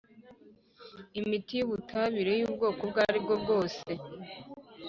imiti y ubutabire y ubwoko ubwo ari bwo bwose